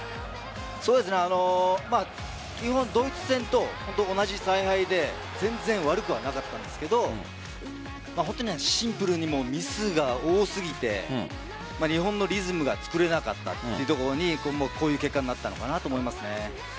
基本ドイツ戦と同じ采配で全然悪くはなかったんですが本当にシンプルにミスが多すぎて日本のリズムがつくれなかったというところにこういう結果になったのかなと思います。